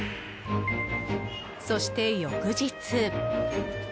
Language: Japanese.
そして、翌日。